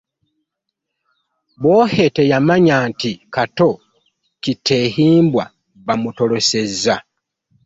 Bwohe teyamanya nti Kato Kitehimbwa bamutolosezza.